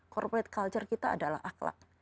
corporate culture kita adalah akhlak